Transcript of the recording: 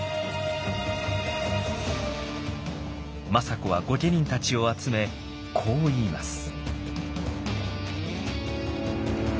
政子は御家人たちを集めこう言います。